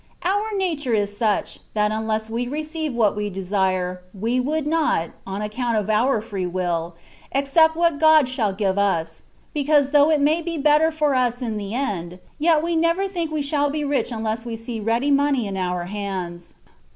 Our nature is such, that unless we receive what we desire, we would not (on account of our free wiU) accept what God shall give us, because though it may be better for us in the end, yet wq^ never think we shall be rich unless we see ready money in our hands.